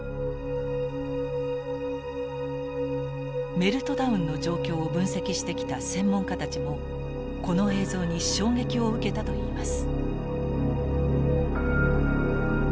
メルトダウンの状況を分析してきた専門家たちもこの映像に衝撃を受けたといいます。